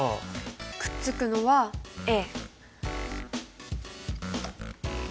くっつくのはＡ。